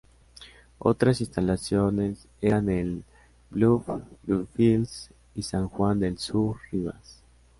Otras instalaciones eran El Bluff, Bluefields y San Juan del Sur, Rivas.